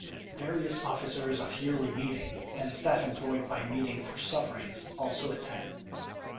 Various officers of Yearly Meeting, and staff employed by Meeting for Sufferings, also attend.